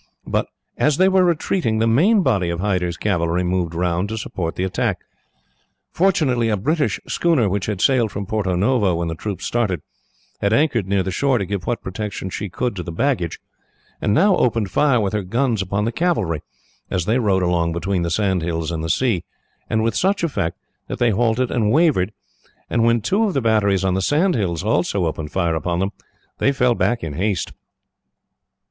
But, as they were retiring, the main body of Hyder's cavalry moved round to support the attack. Fortunately a British schooner, which had sailed from Porto Novo when the troops started, had anchored near the shore to give what protection she could to the baggage, and now opened fire with her guns upon the cavalry, as they rode along between the sand hills and the sea; and with such effect that they halted and wavered; and when two of the batteries on the sand hills also opened fire upon them, they fell back in haste.